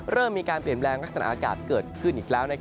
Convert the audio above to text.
เริ่มมีการเปลี่ยนแปลงลักษณะอากาศเกิดขึ้นอีกแล้ว